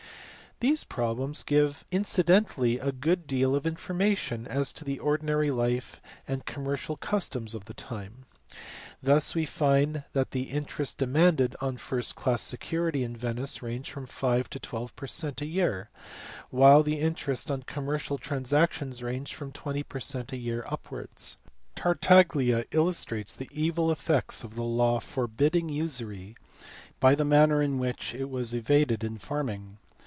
These problems give incidentally a good deal of information as to the ordinary life and commercial customs of the time. Thus we find that the interest demanded on first class security in Venice ranged from 5 to 12 per cent, a year; while the interest on commercial transactions ranged from 20 per cent. a year upwards. Tartaglia illustrates the evil effects of the law forbidding usury by the manner in which it was evaded in farming.